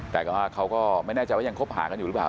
แต่ก็ว่าเขาก็ไม่แน่ใจว่ายังคบหากันอยู่หรือเปล่า